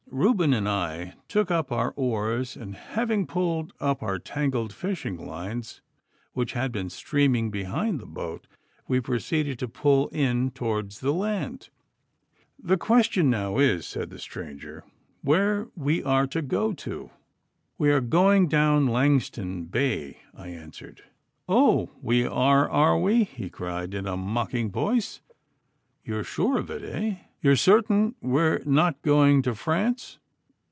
Reuben and I took up our oars, and having pulled up our tangled fishing lines, which had been streaming behind the boat, we proceeded to pull in towards the land. 'The question now is,' said the stranger, 'where we are to go to?' 'We are going down Langston Bay,' I answered. 'Oh, we are, are we?' he cried, in a mocking voice; 'you are sure of it eh? You are certain we are not going to France?